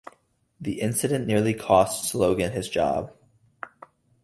The incident nearly costs Logan his job.